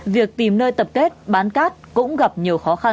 việc tìm nơi tập kết bán cát cũng gặp nhiều khó khăn